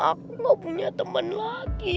aku gak punya teman lagi